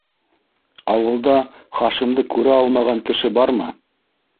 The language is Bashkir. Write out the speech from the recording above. Ауылда Хашимды күрә алмаған кеше бармы?